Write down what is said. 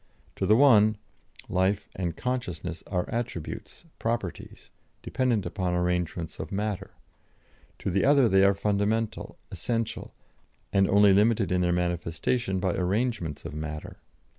To the one, life and consciousness are attributes, properties, dependent upon arrangements of matter; to the other they are fundamental, essential, and only limited in their manifestation by arrangements of matter.